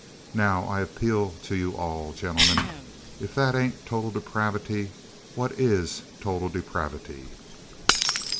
Now, I appeal to you all, gentlemen, if that ain't total depravity, what is total depravity?"